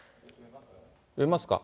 読みますか？